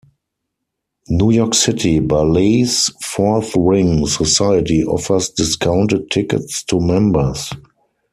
New York City Ballet's Fourth Ring Society offers discounted tickets to members.